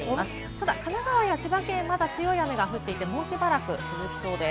ただ神奈川や千葉県はまだ強い雨が降っていて、しばらく続きそうです。